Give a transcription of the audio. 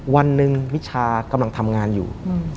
วันหนึ่งนิชากำลังทำงานอยู่